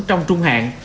trong trung hạn